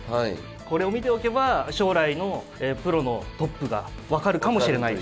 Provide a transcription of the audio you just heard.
これを見ておけば将来のプロのトップが分かるかもしれない。